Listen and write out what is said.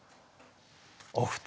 お二人。